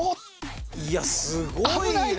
いやすごいな！